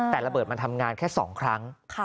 แต่ระเบิดมันทำงานแค่๒ครั้ง